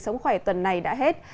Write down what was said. sống khỏe tuần này đã hết